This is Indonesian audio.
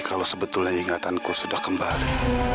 kalau sebetulnya ingatanku sudah kembali